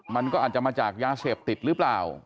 มันก็อาจจะมาจากยาเสพติดหรือเปล่า